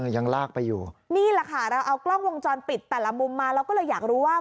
ยังลากไปอยู่นี่แหละค่ะเราเอากล้องวงจรปิดแต่ละมุมมาเราก็เลยอยากรู้ว่า